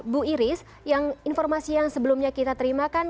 bu iris informasi yang sebelumnya kita terima kan